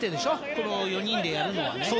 この４人でやるのは。